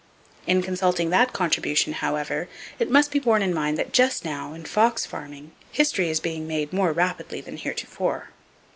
In consulting that contribution, however, it must be borne in mind that just now, in fox farming, history is being made more rapidly than heretofore.